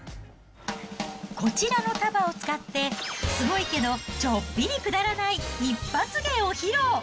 こちらの束を使って、すごいけど、ちょっぴりくだらない一発芸を披露。